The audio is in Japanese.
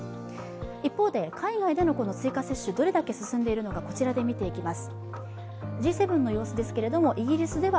一方で海外の追加接種、どれだけ進んでいるのか見ていきます。